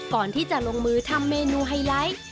ก่อนที่จะลงมือทำเมนูไฮไลท์